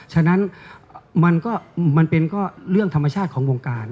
ฉะนั้นมันก็มันเป็นก็เรื่องธรรมชาติของวงการ